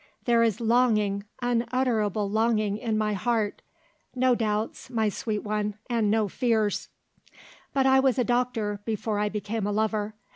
There is longing, unutterable longing, in my heart. No doubts, my sweet one, and no fears! "But I was a doctor, before I became a lover.